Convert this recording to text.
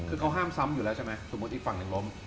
คือเขาห้ามซ้ำอยู่แล้วใช่ไหมสมมุติอีกฝั่งหนึ่งล้ม